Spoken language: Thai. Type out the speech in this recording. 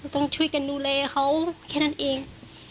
ต้องช่วยกันดูแลเขาแค่นั้นเอง